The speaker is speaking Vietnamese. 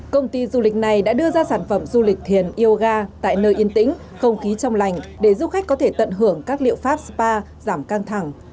công ty du lịch này đã đưa ra sản phẩm du lịch thiền yoga tại nơi yên tĩnh không khí trong lành để du khách có thể tận hưởng các liệu pháp spa giảm căng thẳng